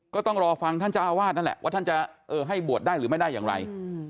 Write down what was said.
ก็ต้องรอฟังท่านเจ้าอาวาสนั่นแหละว่าท่านจะให้บวชได้หรือไม่ได้อย่างไร